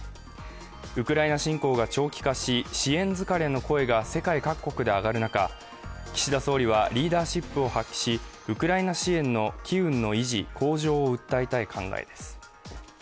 ウクライナ侵攻が長期化し、支援疲れの声が世界各国で上がる中、岸田総理はリーダーシップを発揮しウクライナ支援の機運の維持・向上を訴えたい考えです。